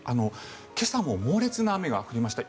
今朝も猛烈な雨が降りまして